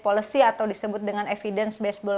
policy atau disebut dengan evidence baseball